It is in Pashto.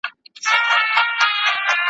خدای یې په برخه کښلی عذاب دی `